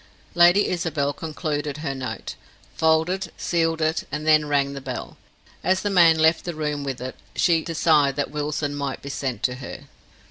Lady Isabel concluded her note, folded, sealed it, and then rang the bell. As the man left the room with it, she desired that Wilson might be sent to her.